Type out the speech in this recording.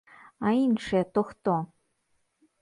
А іншыя то хто?